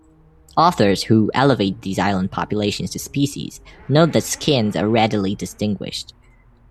Authors who elevate these island populations to species note that skins are readily distinguished.